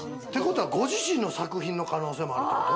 ご自身の作品の可能性もあるってこと？